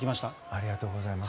ありがとうございます。